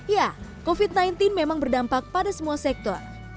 ya covid sembilan belas memang berdampak pada semua sektor